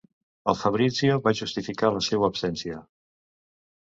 El Fabrizio va justificar la seua absència.